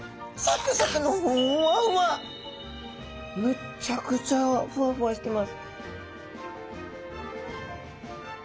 むっちゃくちゃふわふわしてます。